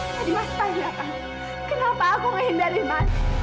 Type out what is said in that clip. mas payah kenapa aku menghindari mas